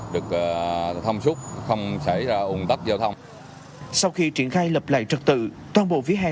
được thông xúc không xảy ra ung tắc giao thông sau khi triển khai lập lại trật tự toàn bộ vỉa hè